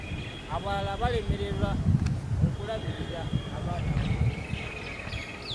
Abalala balemererwa okulabirila abaana baabwe.